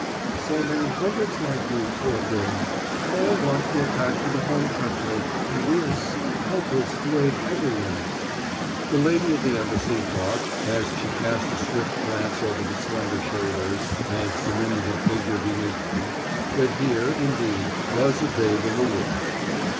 "So many hundreds like you, poor girl. All want to get back to the home country, and we are so helpless to aid every one." The lady of the embassy thought, as she cast a swift glance over the slender shoulders and diminutive figure beneath them, that here, indeed, was a babe in the woods.